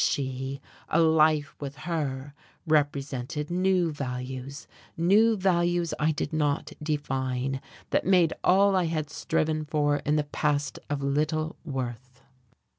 She a life with her represented new values, new values I did not define, that made all I had striven for in the past of little worth.